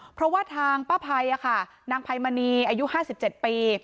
เพราะว่าทางป้าภัยอะค่ะนางภัยมณีอายุห้าสิบเจ็ดปี